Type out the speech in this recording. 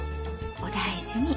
お大事に。